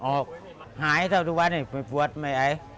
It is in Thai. ออกหายเท่าทุกวันนี้ไม่ปวดไม่ไอ